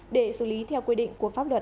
để xử lý theo quy định của pháp luật